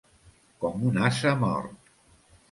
Com un ase mort.